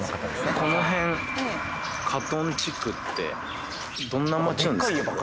この辺カトン地区ってどんな町なんですか？